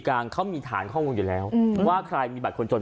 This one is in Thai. กลางเขามีฐานข้อมูลอยู่แล้วว่าใครมีบัตรคนจน